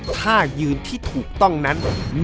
ถ้ายืนที่ถูกต้องนั้น